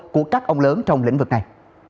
của các ông lớn trong lĩnh vực này